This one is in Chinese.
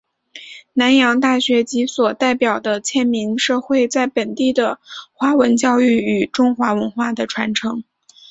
南洋大学及其所代表是迁民社会在本地的华文教育与中华文化的传承。